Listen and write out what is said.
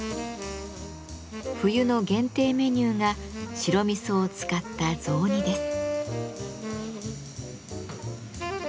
冬の限定メニューが白味噌を使った雑煮です。